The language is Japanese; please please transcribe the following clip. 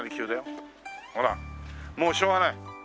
もうしょうがない。